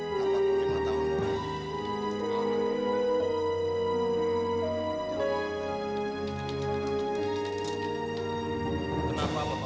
kenapa lo melakukannya